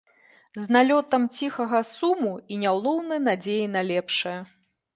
З налётам ціхага суму і няўлоўнай надзеяй на лепшае.